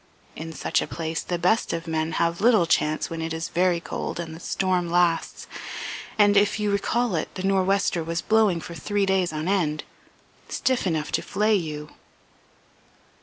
In such a place the best of men have little chance when it is very cold and the storm lasts. And, if you recall it, the nor'wester was blowing for three days on end, stiff enough to flay you."